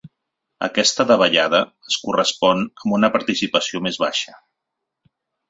Aquesta davallada es correspon amb una participació més baixa.